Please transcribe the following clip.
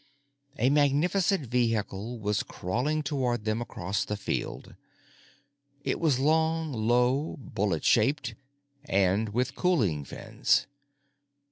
A magnificent vehicle was crawling toward them across the field. It was long, low, bullet shaped—and with cooling fins.